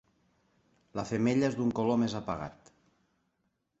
La femella és d'un color més apagat.